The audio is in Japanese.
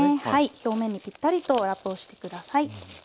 表面にぴったりとラップをして下さい。